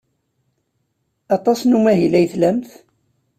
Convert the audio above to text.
Aṭas n umahil ay tlamt?